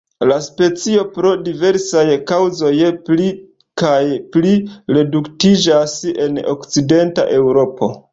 La specio pro diversaj kaŭzoj pli kaj pli reduktiĝas en Okcidenta Eŭropo.